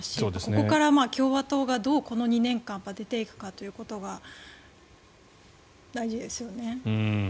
ここから共和党がどうこの２年間出ていくかということが大事ですよね。